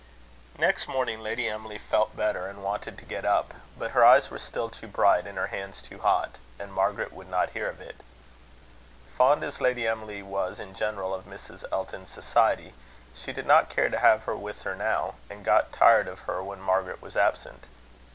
Next morning Lady Emily felt better, and wanted to get up: but her eyes were still too bright, and her hands too hot; and Margaret would not hear of it. Fond as Lady Emily was in general of Mrs. Elton's society, she did not care to have her with her now, and got tired of her when Margaret was absent.